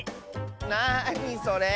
なにそれ！